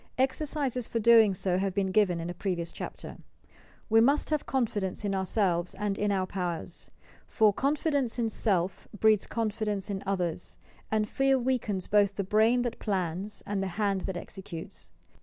Exercises for doing so have been given in a pre vious chapter. We must have confidence in ourselves and in our own powers; for "Confidence in self breeds confidence in others, and fear weakens both the brain that plans and the hand that executes."